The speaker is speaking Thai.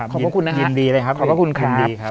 ขอบคุณนะฮะขอบคุณค่ะ